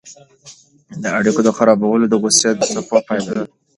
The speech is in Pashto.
د اړیکو خرابوالی د غوسې د څپو پایله ده.